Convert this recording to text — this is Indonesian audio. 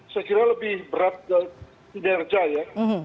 saya kira lebih berat dari kinerja ya